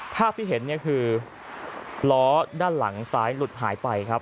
ภาพที่เห็นคือล้อด้านหลังซ้ายหลุดหายไป